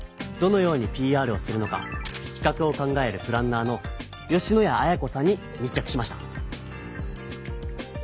どのようにＰＲをするのか企画を考えるプランナーの吉野谷綾子さんにみっ着しました。